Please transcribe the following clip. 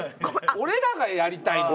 俺らがやりたいのよ